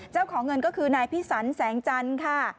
เจ้าของเงินก็คือนายพิสันแสงจันทร์ค่ะ